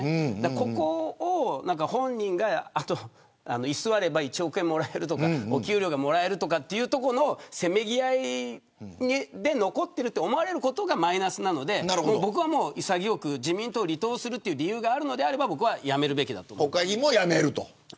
ここを本人が居座れば１億円もらえるとか給料がもらえるとかというところのせめぎ合いに残っていると思われること自体がマイナスなので僕は潔く自民党を離党する理由があるということであれば辞めるべきだと思います。